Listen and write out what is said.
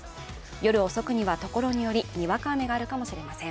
夜遅くには所によりにわか雨があるかもしれません。